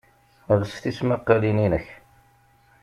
Els tismaqalin-inek!